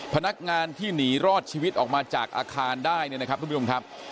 พนักงานที่หนีรอดชีวิตออกมาจากอาคารได้เนี่ยนะครับทุกผู้ชมครับ